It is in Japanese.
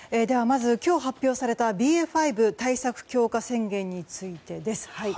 まず、今日発表されたＢＡ．５対策強化宣言についてです。